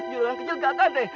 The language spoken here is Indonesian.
juragan kecil tidak akan des